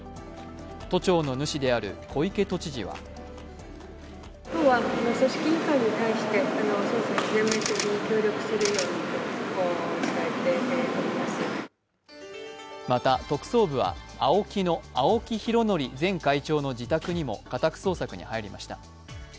都庁の主である小池都知事はまた特捜部はＡＯＫＩの青木拡憲前会長の自宅にも家宅捜索に入りました。